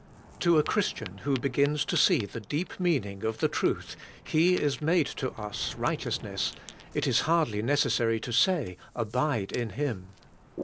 To a Christian who begins to see the deep meaning of the truth, 'He is made to us righteousness,' it is hardly necessary to say, 'Abide in Him.'